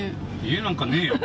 家なんかねえよ。